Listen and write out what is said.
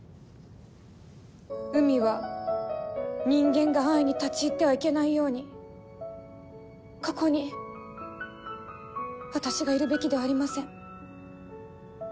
海は人間が安易に立ち入ってはいけないようにここに私がいるべきではありません。